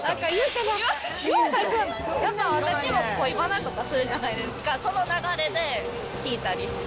やっぱ私も恋バナとかするじゃないですか、その流れで聞いたりして。